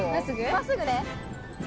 真っすぐね。